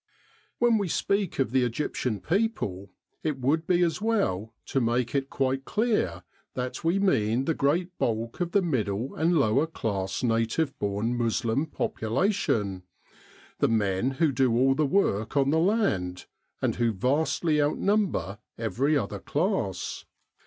When we speak of the Egyptian people, it would be as well to make it quite clear that we mean the great bulk of the middle and lower class native born Moslem population the men who do all the 284 The Egyptian Labour Corps work on the land, and who vastly outnumber every other class.